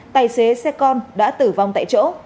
tài xế xe con đã tử vong tại chỗ